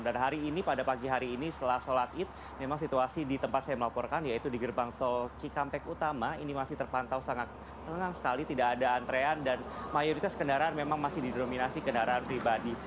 dan hari ini pada pagi hari ini setelah sholat id memang situasi di tempat saya melaporkan yaitu di gerbang tol cikampek utama ini masih terpantau sangat tenang sekali tidak ada antrean dan mayoritas kendaraan memang masih didominasi kendaraan pribadi